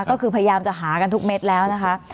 ก็คือพยายามจะหากันทุกเม็ดแล้วนะคะ